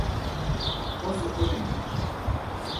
Os uxolimi.